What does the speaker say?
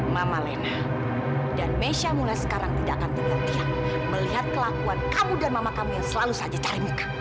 mama nenang dan mesya muna sekarang tidak akan tinggal diam melihat kelakuan kamu dan mama kamu yang selalu saja cari muka